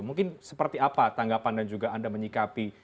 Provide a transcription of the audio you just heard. mungkin seperti apa tanggapan dan juga anda menyikapi